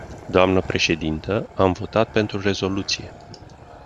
Dnă președintă, am votat pentru rezoluție.